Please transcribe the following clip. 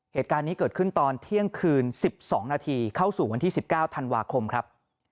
เหตุการณ์นี้เกิดขึ้นตอนเที่ยงคืน๑๒นาทีเข้าสู่วันที่๑๙ธันวาคมครับ